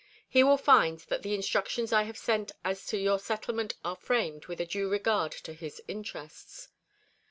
He will find that the instructions I have sent as to your settlement are framed with a due regard to his interests.